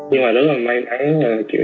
nói đi nói đi nói đi